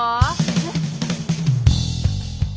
えっ。